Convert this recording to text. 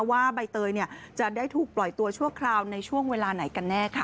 ใบเตยจะได้ถูกปล่อยตัวชั่วคราวในช่วงเวลาไหนกันแน่ค่ะ